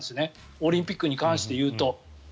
オリンピックに関していうと。